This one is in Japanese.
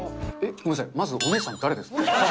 ごめんなさい、まずお姉さん誰ですか？